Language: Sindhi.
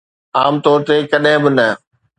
عام طور تي ڪڏهن به نه.